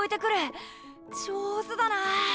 上手だなあ。